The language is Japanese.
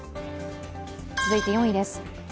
続いて４位です。